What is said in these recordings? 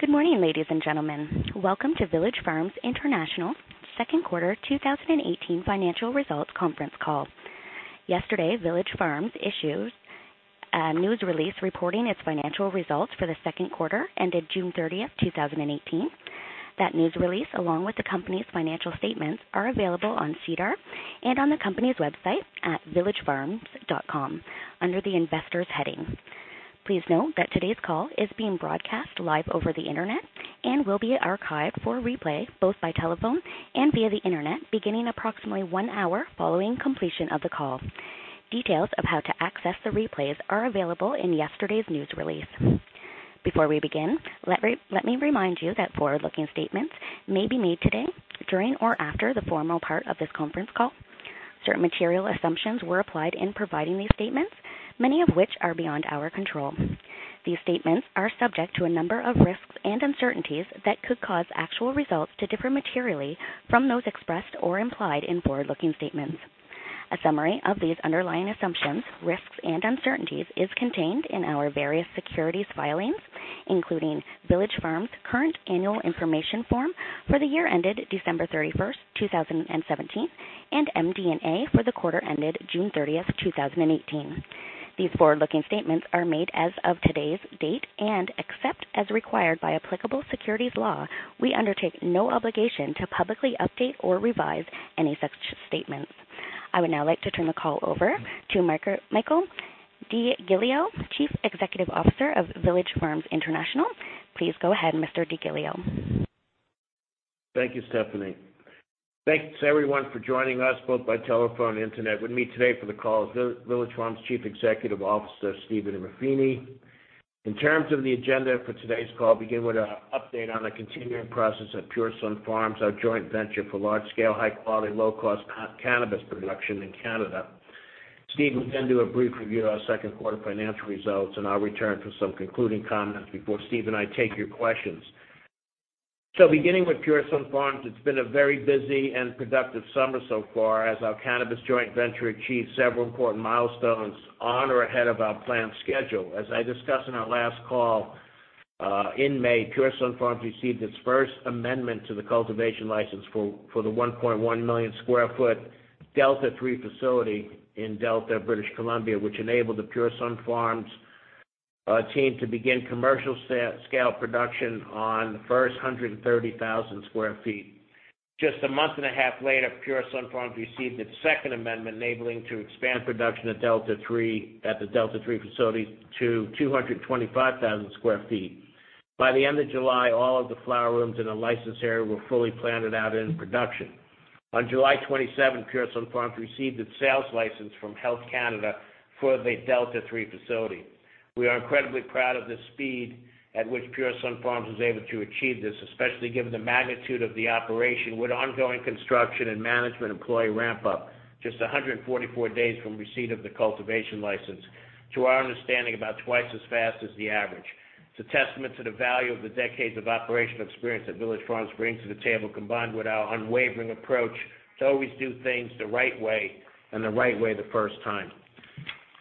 Good morning, ladies and gentlemen. Welcome to Village Farms International second quarter 2018 financial results conference call. Yesterday, Village Farms issued a news release reporting its financial results for the second quarter ended June 30th, 2018. That news release, along with the company's financial statements, are available on SEDAR and on the company's website at villagefarms.com under the Investors heading. Please note that today's call is being broadcast live over the internet and will be archived for replay both by telephone and via the internet, beginning approximately one hour following completion of the call. Details of how to access the replays are available in yesterday's news release. Before we begin, let me remind you that forward-looking statements may be made today during or after the formal part of this conference call. Certain material assumptions were applied in providing these statements, many of which are beyond our control. These statements are subject to a number of risks and uncertainties that could cause actual results to differ materially from those expressed or implied in forward-looking statements. A summary of these underlying assumptions, risks and uncertainties is contained in our various securities filings, including Village Farms' current annual information form for the year ended December 31st, 2017, and MD&A for the quarter ended June 30th, 2018. These forward-looking statements are made as of today's date. Except as required by applicable securities law, we undertake no obligation to publicly update or revise any such statements. I would now like to turn the call over to Michael DeGiglio, Chief Executive Officer of Village Farms International. Please go ahead, Mr. DeGiglio. Thank you, Stephanie. Thanks, everyone, for joining us both by telephone and internet. With me today for the call is Village Farms' Chief Executive Officer, Steve Ruffini. In terms of the agenda for today's call, I'll begin with an update on the continuing process at Pure Sunfarms, our joint venture for large-scale, high-quality, low-cost cannabis production in Canada. Steve will then do a brief review of our second quarter financial results, and I'll return for some concluding comments before Steve and I take your questions. Beginning with Pure Sunfarms, it's been a very busy and productive summer so far as our cannabis joint venture achieved several important milestones on or ahead of our planned schedule. As I discussed in our last call, in May, Pure Sunfarms received its first amendment to the cultivation license for the 1.1 million sq ft Delta-3 facility in Delta, British Columbia, which enabled the Pure Sunfarms team to begin commercial scale production on the first 130,000 sq ft. Just a month and a half later, Pure Sunfarms received its second amendment, enabling it to expand production at the Delta-3 facility to 225,000 sq ft. By the end of July, all of the flower rooms in the licensed area were fully planted out and in production. On July 27, Pure Sunfarms received its sales license from Health Canada for the Delta-3 facility. We are incredibly proud of the speed at which Pure Sunfarms was able to achieve this, especially given the magnitude of the operation with ongoing construction and management employee ramp-up, just 144 days from receipt of the cultivation license. To our understanding, about twice as fast as the average. It's a testament to the value of the decades of operational experience that Village Farms brings to the table, combined with our unwavering approach to always do things the right way and the right way the first time.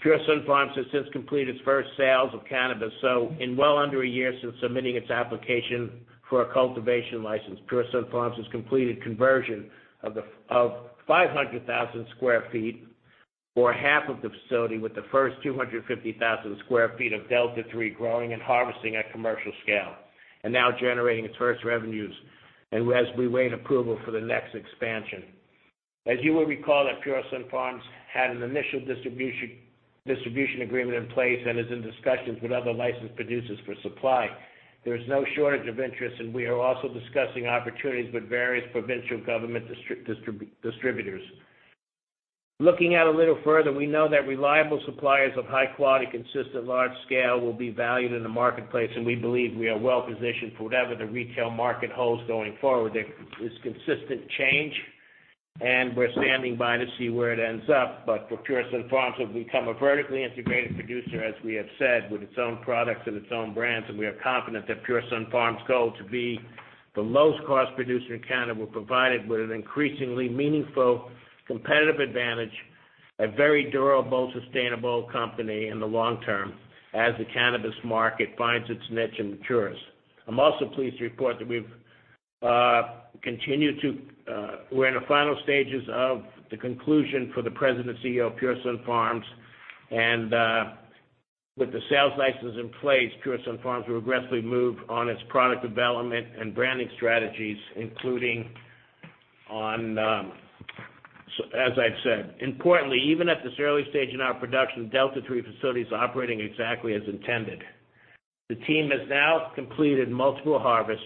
Pure Sunfarms has since completed its first sales of cannabis. In well under a year since submitting its application for a cultivation license, Pure Sunfarms has completed conversion of 500,000 sq ft, or half of the facility, with the first 250,000 sq ft of Delta-3 growing and harvesting at commercial scale and now generating its first revenues as we await approval for the next expansion. As you will recall that Pure Sunfarms had an initial distribution agreement in place and is in discussions with other licensed producers for supply. There is no shortage of interest, and we are also discussing opportunities with various provincial government distributors. Looking out a little further, we know that reliable suppliers of high quality, consistent large scale will be valued in the marketplace, and we believe we are well positioned for whatever the retail market holds going forward. There is consistent change, and we're standing by to see where it ends up. For Pure Sunfarms, it will become a vertically integrated producer, as we have said, with its own products and its own brands, and we are confident that Pure Sunfarms' goal to be the lowest cost producer in Canada will provide it with an increasingly meaningful competitive advantage, a very durable, sustainable company in the long term as the cannabis market finds its niche and matures. I'm also pleased to report that we're in the final stages of the conclusion for the presidency of Pure Sunfarms. With the sales license in place, Pure Sunfarms will aggressively move on its product development and branding strategies, including on, as I've said. Importantly, even at this early stage in our production, Delta-3 facility is operating exactly as intended. The team has now completed multiple harvests,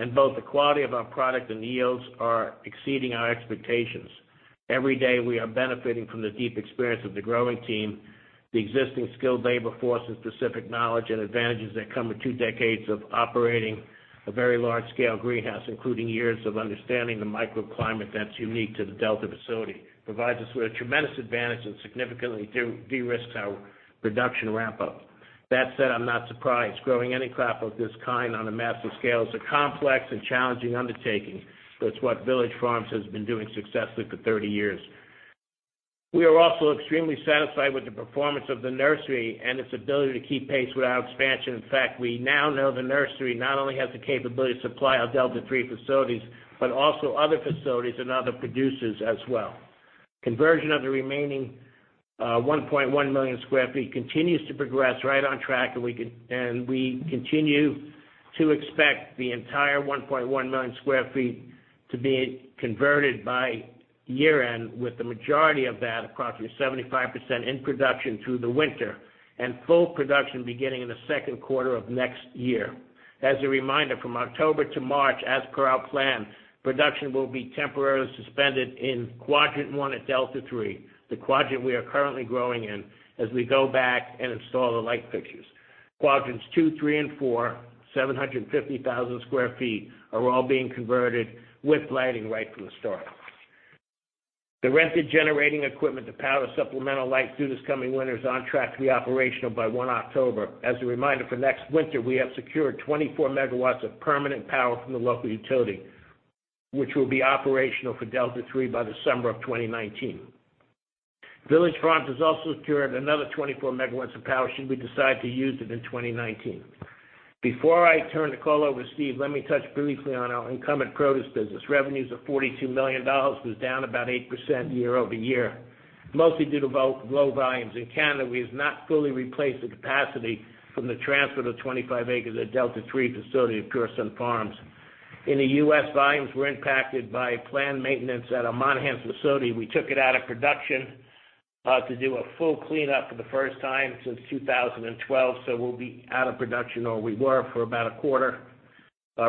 and both the quality of our product and yields are exceeding our expectations. Every day, we are benefiting from the deep experience of the growing team, the existing skilled labor force, and specific knowledge and advantages that come with two decades of operating a very large-scale greenhouse, including years of understanding the microclimate that's unique to the Delta facility. It provides us with a tremendous advantage and significantly de-risks our production ramp-up. That said, I'm not surprised. Growing any crop of this kind on a massive scale is a complex and challenging undertaking, but it's what Village Farms has been doing successfully for 30 years. We are also extremely satisfied with the performance of the nursery and its ability to keep pace with our expansion. In fact, we now know the nursery not only has the capability to supply our Delta-3 facilities, but also other facilities and other producers as well. Conversion of the remaining 1.1 million square feet continues to progress right on track, we continue to expect the entire 1.1 million square feet to be converted by year-end, with the majority of that, approximately 75%, in production through the winter, and full production beginning in the second quarter of next year. As a reminder, from October to March, as per our plan, production will be temporarily suspended in Quadrant One at Delta-3, the quadrant we are currently growing in, as we go back and install the light fixtures. Quadrants Two, Three and Four, 750,000 square feet, are all being converted with lighting right from the start. The rented generating equipment to power supplemental light through this coming winter is on track to be operational by 1 October. As a reminder, for next winter, we have secured 24 megawatts of permanent power from the local utility, which will be operational for Delta-3 by December 2019. Village Farms has also secured another 24 megawatts of power, should we decide to use it in 2019. Before I turn the call over to Steve, let me touch briefly on our incumbent produce business. Revenues of $42 million was down about 8% year-over-year, mostly due to low volumes in Canada. We have not fully replaced the capacity from the transfer to 25 acres at Delta-3 facility of Pure Sunfarms. In the U.S., volumes were impacted by planned maintenance at our Monahans facility. We took it out of production to do a full cleanup for the first time since 2012, so we'll be out of production, or we were for about a quarter.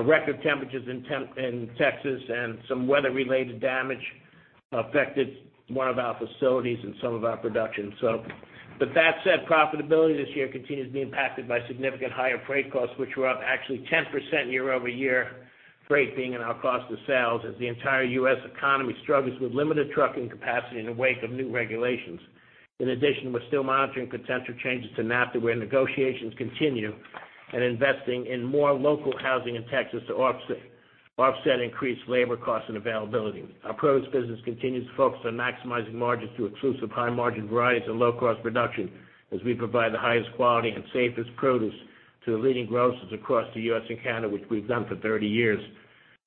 Record temperatures in Texas and some weather-related damage affected one of our facilities and some of our production. With that said, profitability this year continues to be impacted by significant higher freight costs, which were up actually 10% year-over-year, freight being in our cost of sales as the entire U.S. economy struggles with limited trucking capacity in the wake of new regulations. In addition, we're still monitoring potential changes to NAFTA where negotiations continue, and investing in more local housing in Texas to offset increased labor costs and availability. Our produce business continues to focus on maximizing margins through exclusive high-margin varieties and low-cost production, as we provide the highest quality and safest produce to the leading grocers across the U.S. and Canada, which we've done for 30 years.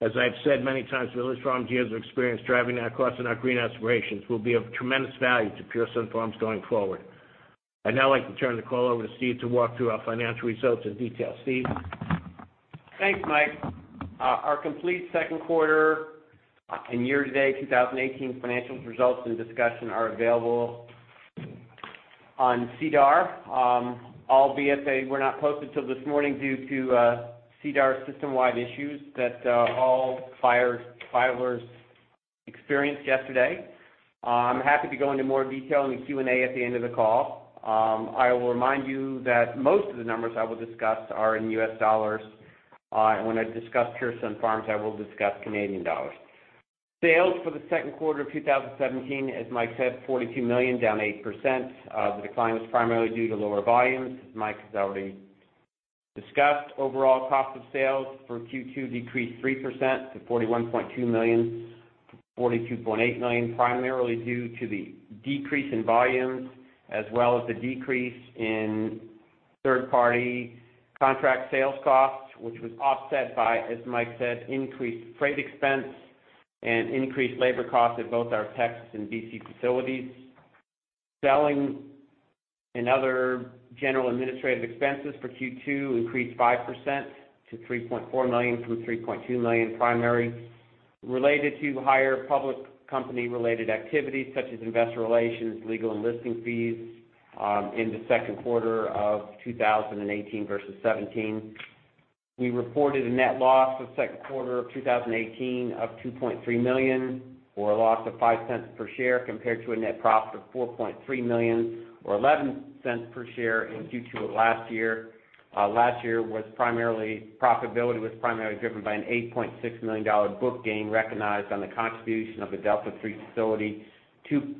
As I've said many times, Village Farms' years of experience driving down costs in our greenhouse operations will be of tremendous value to Pure Sunfarms going forward. I'd now like to turn the call over to Steve to walk through our financial results in detail. Steve? Thanks, Mike. Our complete second quarter and year-to-date 2018 financials results and discussion are available on SEDAR, albeit they were not posted till this morning due to SEDAR system-wide issues that all filers experienced yesterday. I'm happy to go into more detail in the Q&A at the end of the call. I will remind you that most of the numbers I will discuss are in US dollars. When I discuss Pure Sunfarms, I will discuss Canadian dollars. Sales for the second quarter of 2017, as Mike said, $42 million, down 8%. The decline was primarily due to lower volumes, as Mike has already discussed. Overall cost of sales for Q2 decreased 3% to $41.2 million from $42.8 million, primarily due to the decrease in volumes as well as the decrease in third-party contract sales costs, which was offset by, as Mike said, increased freight expense and increased labor costs at both our Texas and B.C. facilities. Selling and other general administrative expenses for Q2 increased 5% to $3.4 million from $3.2 million, primarily related to higher public company-related activities such as investor relations, legal, and listing fees in the second quarter of 2018 versus 2017. We reported a net loss for the second quarter of 2018 of $2.3 million, or a loss of $0.05 per share, compared to a net profit of $4.3 million or $0.11 per share in Q2 of last year. Last year, profitability was primarily driven by an $8.6 million book gain recognized on the contribution of the Delta-3 facility to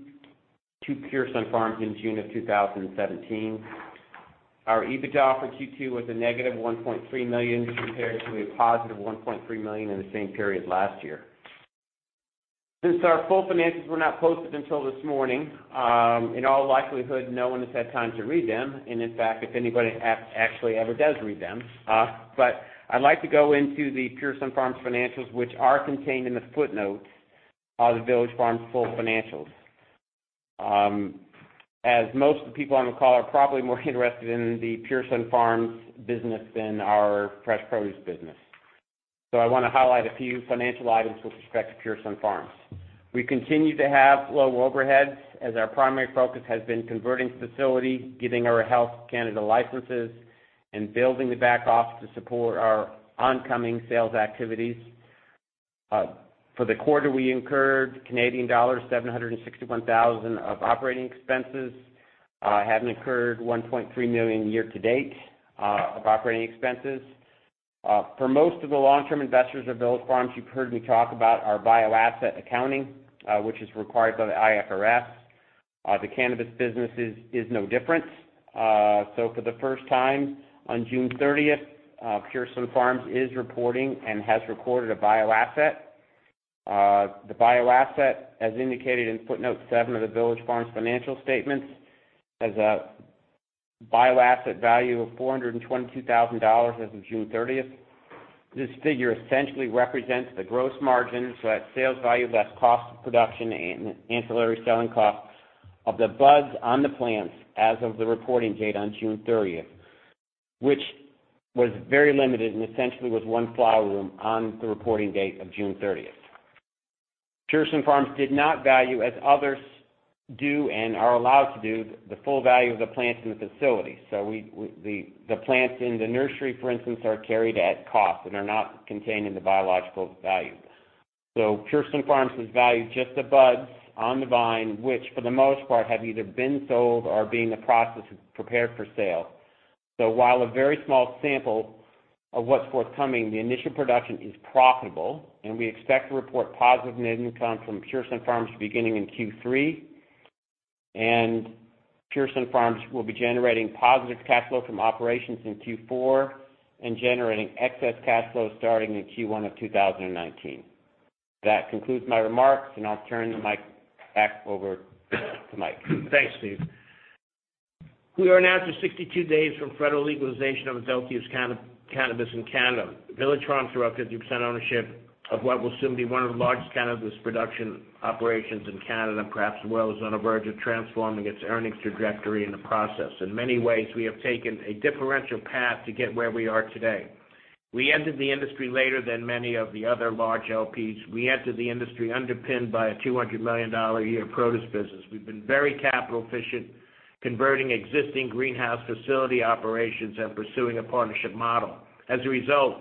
Pure Sunfarms in June of 2017. Our EBITDA for Q2 was a negative $1.3 million compared to a positive $1.3 million in the same period last year. Since our full financials were not posted until this morning, in all likelihood, no one has had time to read them, and in fact, if anybody actually ever does read them. I'd like to go into the Pure Sunfarms financials, which are contained in the footnotes of Village Farms' full financials. Most of the people on the call are probably more interested in the Pure Sunfarms business than our fresh produce business. I want to highlight a few financial items with respect to Pure Sunfarms. We continue to have low overheads as our primary focus has been converting the facility, getting our Health Canada licenses, and building the back office to support our oncoming sales activities. For the quarter, we incurred Canadian dollars 761,000 of operating expenses, having incurred 1.3 million year to date of operating expenses. For most of the long-term investors of Village Farms, you've heard me talk about our biological asset accounting, which is required by the IFRS. The cannabis business is no different. For the first time, on June 30th, Pure Sunfarms is reporting and has reported a biological asset. The biological asset, as indicated in footnote seven of the Village Farms financial statements, has a biological asset value of 422,000 dollars as of June 30th. This figure essentially represents the gross margin, that's sales value less cost of production and ancillary selling costs of the buds on the plants as of the reporting date on June 30th, which was very limited and essentially was one flower room on the reporting date of June 30th. Pure Sunfarms did not value as others do, and are allowed to do, the full value of the plants in the facility. The plants in the nursery, for instance, are carried at cost and are not contained in the biological value. Pure Sunfarms has valued just the buds on the vine, which for the most part, have either been sold or are being in the process of prepared for sale. While a very small sample of what's forthcoming, the initial production is profitable, and we expect to report positive net income from Pure Sunfarms beginning in Q3. Pure Sunfarms will be generating positive cash flow from operations in Q4 and generating excess cash flow starting in Q1 of 2019. That concludes my remarks, and I'll turn the mic back over to Mike. Thanks, Steve. We are now 62 days from federal legalization of adult use cannabis in Canada. Village Farms, through our 50% ownership of what will soon be one of the largest cannabis production operations in Canada, perhaps the world, is on the verge of transforming its earnings trajectory in the process. In many ways, we have taken a differential path to get where we are today. We entered the industry later than many of the other large LPs. We entered the industry underpinned by a $200 million a year produce business. We've been very capital efficient, converting existing greenhouse facility operations and pursuing a partnership model. As a result,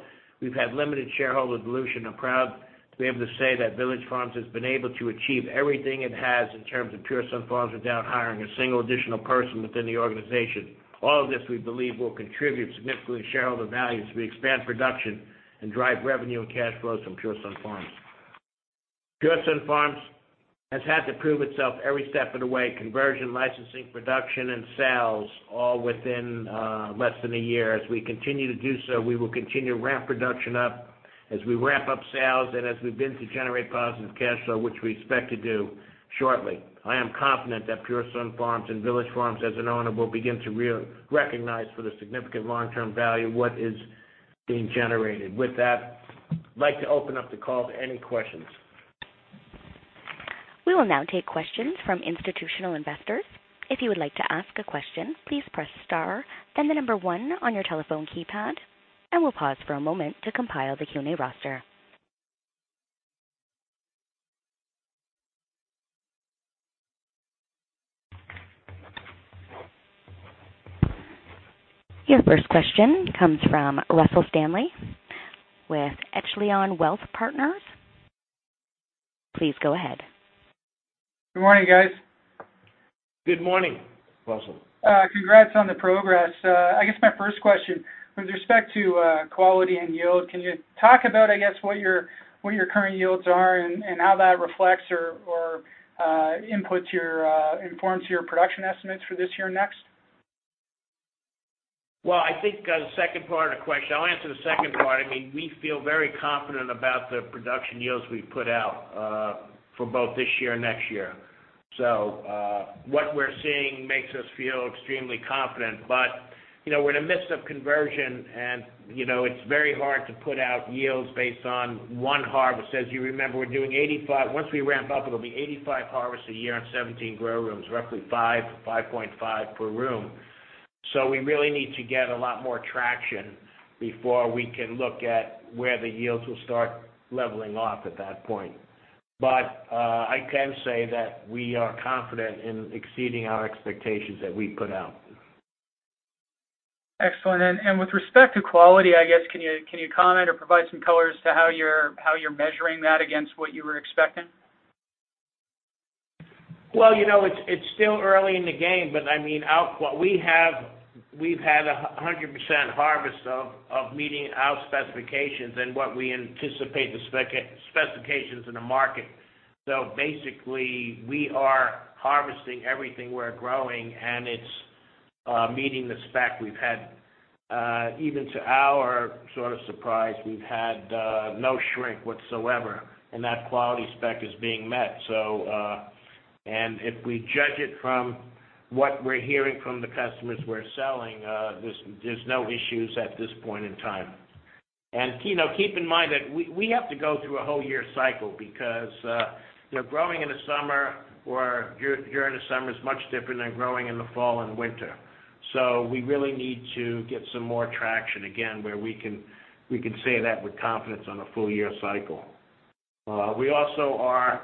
we've had limited shareholder dilution. I'm proud to be able to say that Village Farms has been able to achieve everything it has in terms of Pure Sunfarms without hiring a single additional person within the organization. All of this, we believe, will contribute significantly to shareholder value as we expand production and drive revenue and cash flows from Pure Sunfarms. Pure Sunfarms has had to prove itself every step of the way, conversion, licensing, production, and sales, all within less than a year. As we continue to do so, we will continue to ramp production up as we ramp up sales and as we've been to generate positive cash flow, which we expect to do shortly. I am confident that Pure Sunfarms and Village Farms as an owner will begin to recognize for the significant long-term value what is being generated. With that, I'd like to open up the call to any questions. We will now take questions from institutional investors. If you would like to ask a question, please press star, then the number 1 on your telephone keypad, and we'll pause for a moment to compile the Q&A roster. Your first question comes from Russell Stanley with Echelon Wealth Partners. Please go ahead. Good morning, guys. Good morning, Russell. Congrats on the progress. I guess my first question, with respect to quality and yield, can you talk about, I guess, what your current yields are and how that reflects or informs your production estimates for this year and next? I think the second part of the question. I will answer the second part. We feel very confident about the production yields we've put out for both this year and next year. What we're seeing makes us feel extremely confident. We're in the midst of conversion and it's very hard to put out yields based on one harvest. As you remember, once we ramp up, it will be 85 harvests a year on 17 grow rooms, roughly 5 to 5.5 per room. We really need to get a lot more traction before we can look at where the yields will start leveling off at that point. I can say that we are confident in exceeding our expectations that we put out. Excellent. With respect to quality, I guess, can you comment or provide some color as to how you're measuring that against what you were expecting? It's still early in the game, but we've had 100% harvest of meeting our specifications and what we anticipate the specifications in the market. Basically, we are harvesting everything we're growing, and it's meeting the spec. Even to our sort of surprise, we've had no shrink whatsoever, and that quality spec is being met. If we judge it from what we're hearing from the customers we're selling, there's no issues at this point in time. Keep in mind that we have to go through a whole year cycle because growing in the summer or you're in the summer is much different than growing in the fall and winter. We really need to get some more traction again, where we can say that with confidence on a full year cycle. We also are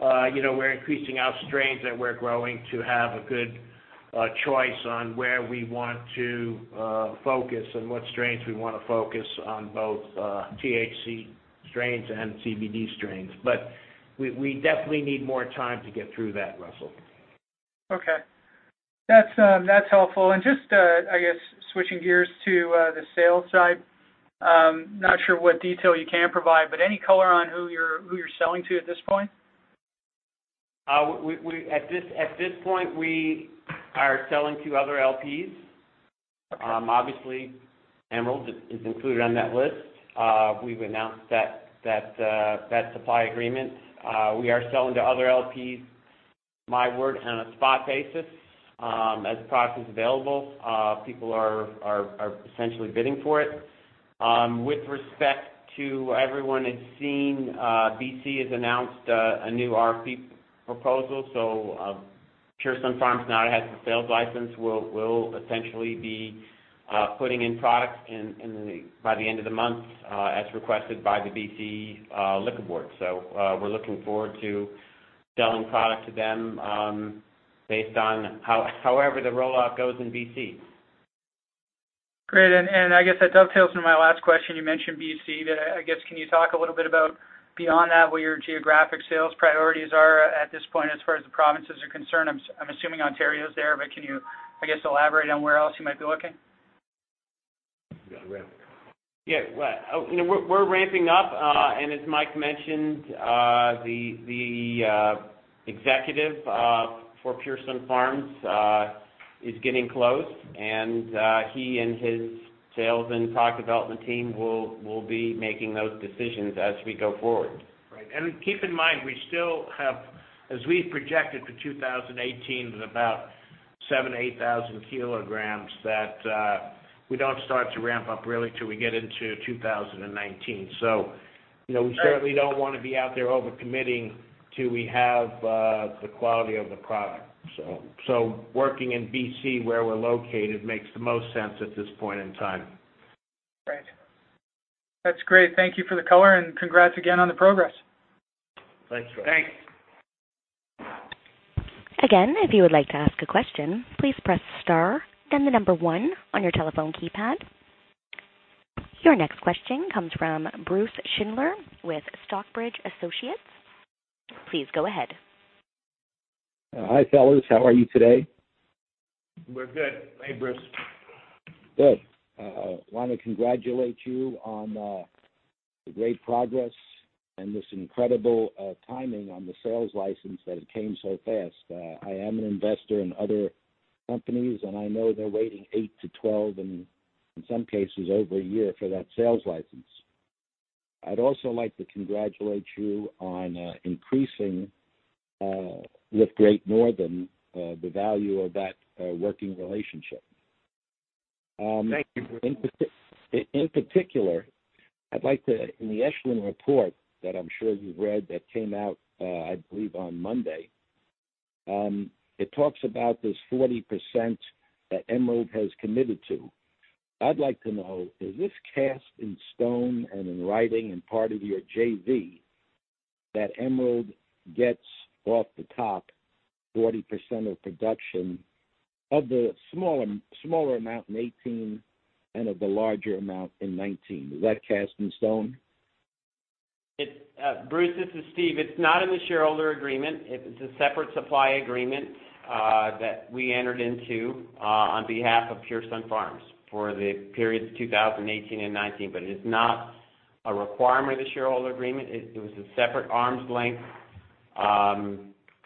increasing our strains that we're growing to have a good choice on where we want to focus and what strains we want to focus on, both THC strains and CBD strains. We definitely need more time to get through that, Russell. That's helpful. Just, I guess, switching gears to the sales side. Not sure what detail you can provide, but any color on who you're selling to at this point? At this point, we are selling to other LPs. Obviously, Emerald is included on that list. We've announced that supply agreement. We are selling to other LPs, my word, on a spot basis. As product is available, people are essentially bidding for it. With respect to everyone has seen, BC has announced a new RFP proposal, Pure Sunfarms now has the sales license, we'll essentially be putting in product by the end of the month, as requested by the BC Liquor Distribution Branch. We're looking forward to selling product to them based on however the rollout goes in BC. Great. I guess that dovetails into my last question. You mentioned BC, but I guess can you talk a little bit about beyond that, what your geographic sales priorities are at this point as far as the provinces are concerned? I'm assuming Ontario is there, but can you, I guess, elaborate on where else you might be looking? You got it, Russ. Yeah. We're ramping up, and as Mike mentioned, the executive for Pure Sunfarms is getting close, and he and his sales and product development team will be making those decisions as we go forward. Right. Keep in mind, as we've projected for 2018, with about 7,000 to 8,000 kilograms, that we don't start to ramp up really till we get into 2019. We certainly don't want to be out there over-committing till we have the quality of the product. Working in BC, where we're located, makes the most sense at this point in time. Great. That's great. Thank you for the color, and congrats again on the progress. Thanks. Thanks. Again, if you would like to ask a question, please press star and the number one on your telephone keypad. Your next question comes from Bruce Schindler with Stockbridge Associates. Please go ahead. Hi, fellas. How are you today? We're good. Hey, Bruce. Good. I want to congratulate you on the great progress and this incredible timing on the sales license that it came so fast. I am an investor in other companies, and I know they're waiting eight to 12, and in some cases, over a year for that sales license. I'd also like to congratulate you on increasing, with Great Northern, the value of that working relationship. Thank you. In particular, in the Echelon report that I'm sure you've read, that came out, I believe, on Monday, it talks about this 40% that Emerald has committed to. I'd like to know, is this cast in stone and in writing and part of your JV that Emerald gets off the top 40% of production of the smaller amount in 2018 and of the larger amount in 2019. Is that cast in stone? Bruce, this is Steve. It's not in the shareholder agreement. It's a separate supply agreement that we entered into on behalf of Pure Sunfarms for the periods 2018 and 2019. It is not a requirement of the shareholder agreement. It was a separate arm's length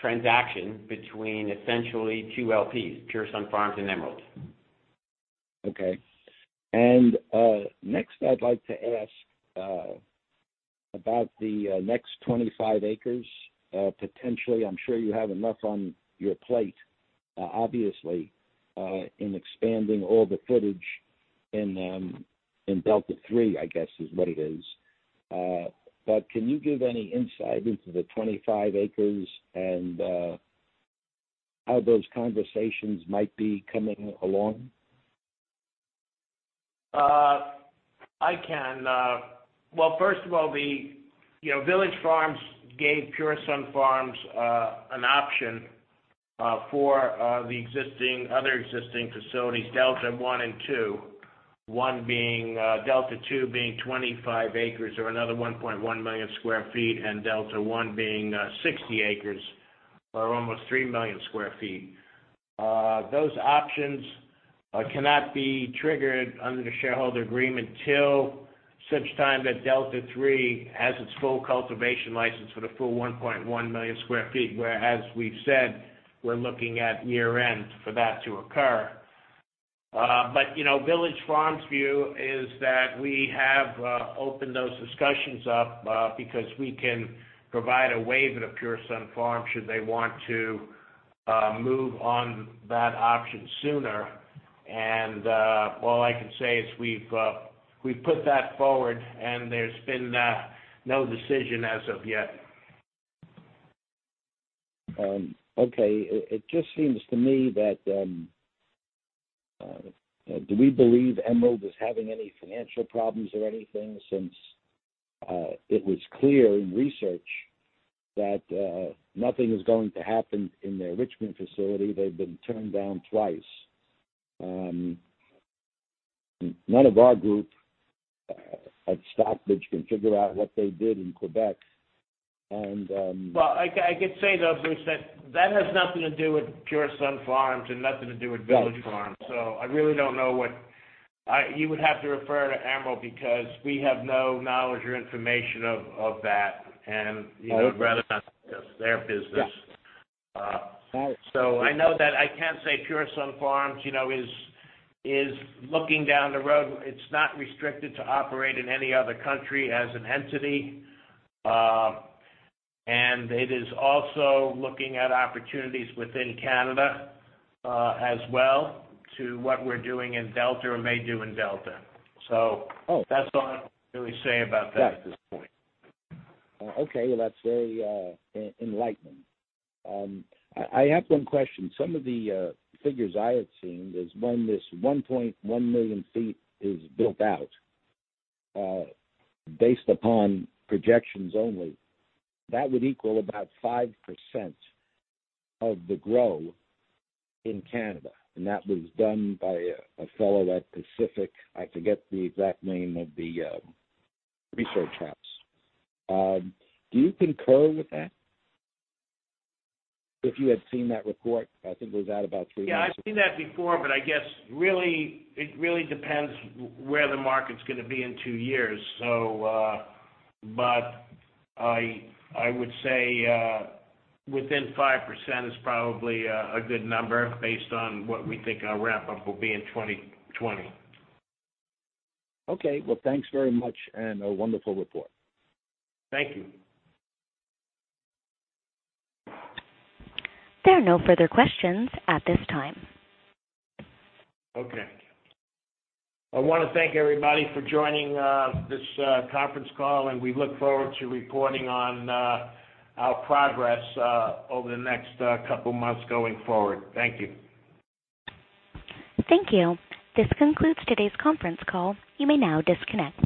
transaction between essentially two LPs, Pure Sunfarms and Emerald. Okay. Next, I'd like to ask about the next 25 acres, potentially. I'm sure you have enough on your plate, obviously, in expanding all the footage in Delta-3, I guess is what it is. Can you give any insight into the 25 acres and how those conversations might be coming along? I can. Well, first of all, Village Farms gave Pure Sunfarms an option for the other existing facilities, Delta-1 and Delta-2, Delta-2 being 25 acres or another 1.1 million sq ft, and Delta-1 being 60 acres or almost 3 million sq ft. Those options cannot be triggered under the shareholder agreement till such time that Delta-3 has its full cultivation license for the full 1.1 million sq ft, where as we've said, we're looking at year-end for that to occur. Village Farms' view is that we have opened those discussions up because we can provide a waiver to Pure Sunfarms should they want to move on that option sooner. All I can say is we've put that forward, and there's been no decision as of yet. Okay. It just seems to me that, do we believe Emerald is having any financial problems or anything? Since it was clear in research that nothing is going to happen in their Richmond facility, they've been turned down twice. None of our group at Stockbridge can figure out what they did in Quebec and. Well, I could say, though, Bruce, that that has nothing to do with Pure Sunfarms and nothing to do with Village Farms. Right. I really don't know what. You would have to refer to Emerald because we have no knowledge or information of that, and we would rather not discuss their business. Yeah. All right. I know that I can say Pure Sunfarms is looking down the road. It's not restricted to operate in any other country as an entity. It is also looking at opportunities within Canada, as well, to what we're doing in Delta or may do in Delta. Oh. That's all I can really say about that at this point. Okay. Well, that's very enlightening. I have one question. Some of the figures I had seen is when this 1.1 million feet is built out, based upon projections only, that would equal about 5% of the grow in Canada. That was done by a fellow at Pacific I forget the exact name of the research house. Do you concur with that? If you had seen that report, I think it was out about three months ago. Yeah, I've seen that before, I guess it really depends where the market's going to be in two years. I would say within 5% is probably a good number based on what we think our ramp-up will be in 2020. Okay. Well, thanks very much and a wonderful report. Thank you. There are no further questions at this time. Okay. I want to thank everybody for joining this conference call, and we look forward to reporting on our progress over the next couple of months going forward. Thank you. Thank you. This concludes today's conference call. You may now disconnect.